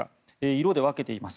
色で分けています。